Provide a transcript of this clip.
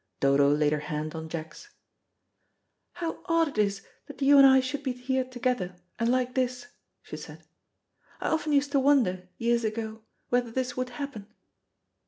Dodo laid her hand on Jack's. "How odd it is that you and I should be here together, and like this," she said. "I often used to wonder years ago whether this would happen.